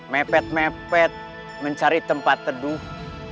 mepet mepet mencari tempat teduh